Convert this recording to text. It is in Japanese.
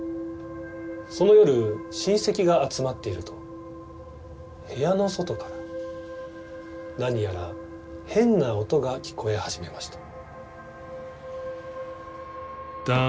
その夜親戚が集まっていると部屋の外から何やら変な音が聞こえ始めました。